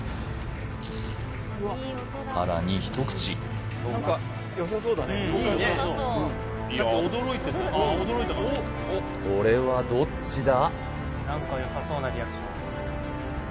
さらに一口これはどっちだ？